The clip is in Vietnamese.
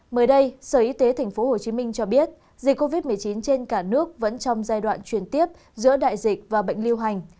mới đây sở y tế tp hcm cho biết dịch covid một mươi chín trên cả nước vẫn trong giai đoạn truyền tiếp giữa đại dịch và bệnh liêu hành